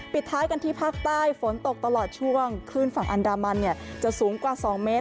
ปิดท้ายกันที่ภาคใต้ฝนตกตลอดช่วงขึ้นฝั่งอันดามันเนี่ยจะสูงกว่า๒เมตร